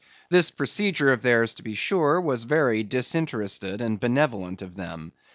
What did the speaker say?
This procedure of theirs, to be sure, was very disinterested and benevolent of them.